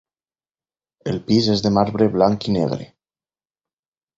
El pis és de marbre blanc i negre.